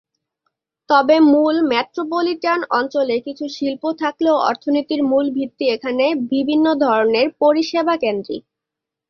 তবে মূল মেট্রোপলিটান অঞ্চলে কিছু শিল্প থাকলেও অর্থনীতির মূল ভিত্তি এখানে বিভিন্ন ধরনের পরিষেবাকেন্দ্রিক।